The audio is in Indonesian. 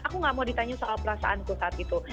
aku gak mau ditanya soal perasaanku saat itu